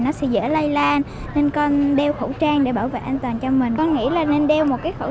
nó sẽ dễ lây lan nên con đeo khẩu trang để bảo vệ an toàn cho mình con nghĩ là nên đeo một cái khẩu